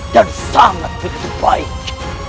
dan sangat begitu baik